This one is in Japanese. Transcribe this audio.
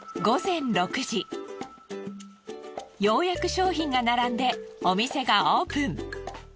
ようやく商品が並んでお店がオープン。